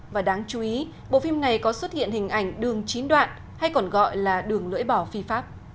và đáng chú ý bộ phim này có xuất hiện hình ảnh đường chín đoạn hay còn gọi là đường lưỡi bỏ phi pháp